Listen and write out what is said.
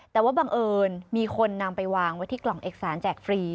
แต่ว่าบังเอิญมีคนนำไปวางไว้ที่กล่องเอกสารแจกฟรี